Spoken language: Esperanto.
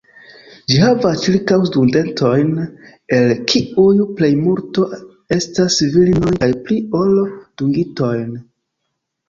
Ĝi havas ĉirkaŭ studentojn, el kiuj plejmulto estas virinoj, kaj pli ol dungitojn.